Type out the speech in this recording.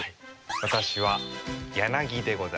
私はヤナギでございます。